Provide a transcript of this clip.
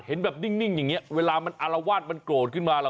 เห็นแบบนิ่งอย่างนี้เวลามันอรวาดเขาโกรธมาแล้ว